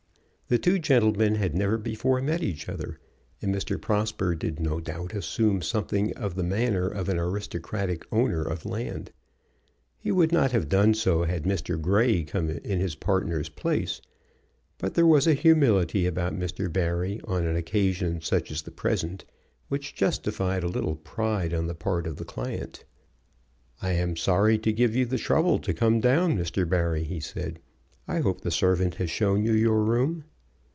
The two gentlemen had never before met each other, and Mr. Prosper did no doubt assume something of the manner of an aristocratic owner of land. He would not have done so had Mr. Grey come in his partner's place. But there was a humility about Mr. Barry on an occasion such as the present, which justified a little pride on the part of the client. "I am sorry to give you the trouble to come down, Mr. Barry," he said. "I hope the servant has shown you your room."